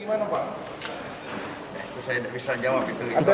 ada yang disampaikan pak